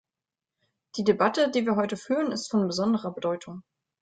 Die Debatte, die wir heute führen, ist von besonderer Bedeutung.